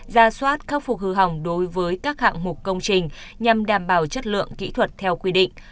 ra soát khắc phục hư hỏng đối với các hạng mục công trình nhằm đảm bảo chất lượng kỹ thuật theo quy định